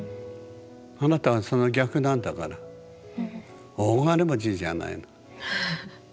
あなたはその逆なんだから大金持ちじゃないの。